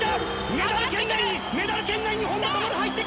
メダル圏内にメダル圏内に本多灯入ってきた！